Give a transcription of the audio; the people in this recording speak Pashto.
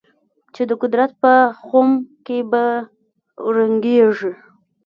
چې د قدرت په خُم کې به رنګېږي.